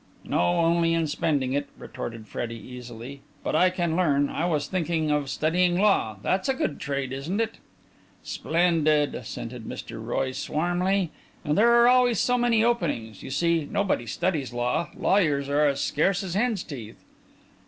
"No, only in spending it," retorted Freddie, easily. "But I can learn. I was thinking of studying law. That's a good trade, isn't it?" "Splendid!" assented Mr. Royce, warmly. "And there are always so many openings. You see, nobody studies law lawyers are as scarce as hen's teeth."